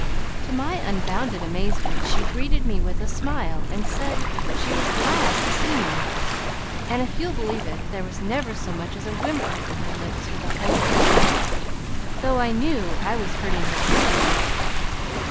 To my unbounded amazement she greeted me with a smile and said she was glad to see me; and, if you'll believe it, there was never so much as a whimper from her lips through the whole ordeal, though I knew I was hurting her cruelly.